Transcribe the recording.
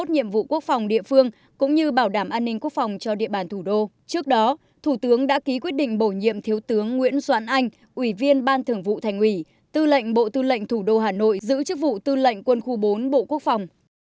thành ủy hà nội đã ký quyết định bổ nhiệm thiếu tướng nguyễn doãn anh ủy viên ban thưởng vụ thành ủy tư lệnh bộ tư lệnh thủ đô hà nội giữ chức vụ tư lệnh quân khu bốn bộ quốc phòng